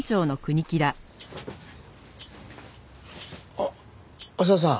あっ浅輪さん。